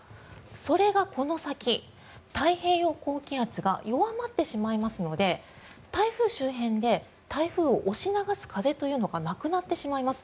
それがこの先、太平洋高気圧が弱まってしまいますので台風周辺で台風を押し流す風というのがなくなってしまいます。